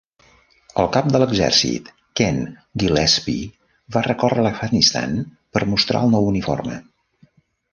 El cap de l'exèrcit, Ken Gillespie, va recórrer l'Afganistan per mostrar el nou uniforme.